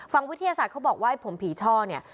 วิทยาศาสตร์เขาบอกว่าให้ผมผีช่อเนี่ย